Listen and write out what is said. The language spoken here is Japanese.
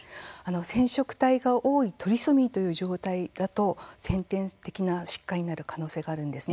染色体が多いトリソミーという状態だと先天的な疾患になる可能性があるんです。